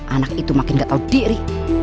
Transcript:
anak itu makin nggak tau diri